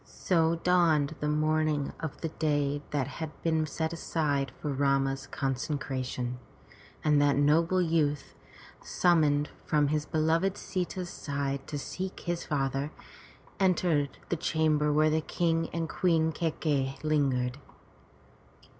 So dawned the morning of the day that had been set aside for Rama's consecration, and that noble youth, sum moned from his beloved Sita's side to seek his father, entered the chamber where the King and Queen Kai key'i lingered.